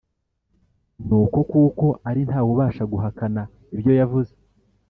Nuko kuko ari nta wubasha guhakana ibyo yavuze